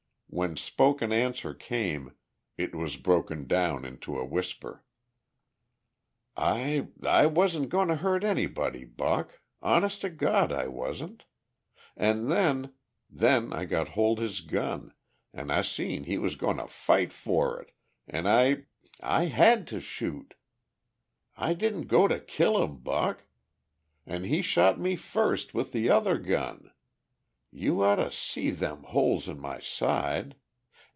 When spoken answer came it was broken down into a whisper. "I ... I wasn't goin' to hurt anybody, Buck. Hones' to Gawd, I wasn't. An' then, then I got hold his gun, an' I seen he was goin' to fight for it, an' I ... I had to shoot! I didn't go to kill him, Buck! An' he shot me firs' with the other gun ... you oughta see them holes in my side!...